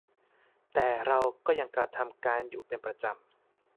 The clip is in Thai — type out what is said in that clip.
แต่เราก็ยังกระทำกันอยู่เป็นประจำ